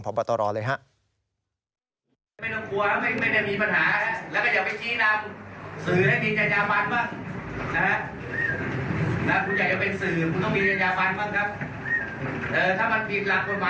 แต่ถ้ามันถูกหลักผลหมายบ้านเมืองอย่าไปชี้นำ